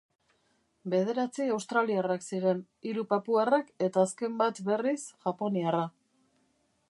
Bederatzi australiarrak ziren, hiru papuarrak eta azken bat, berriz, japoniarra.